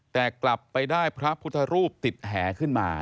แต่กลับไปได้พระพุทธรูปติดแหขึ้นมา